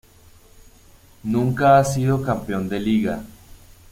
Nunca ha sido campeón de Liga.